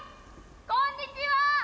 こんにちは！